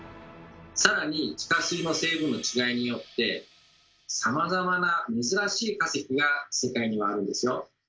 更に地下水の成分の違いによってさまざまな珍しい化石が世界にはあるんですよ。